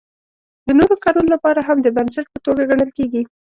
د نورو کارونو لپاره هم د بنسټ په توګه ګڼل کیږي.